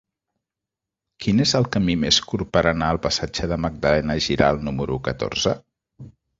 Quin és el camí més curt per anar al passatge de Magdalena Giralt número catorze?